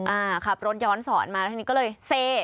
อ่าขับรถย้อนสอนมาแล้วทีนี้ก็เลยเซ